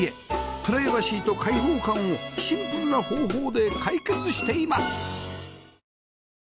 プライバシーと開放感をシンプルな方法で解決しています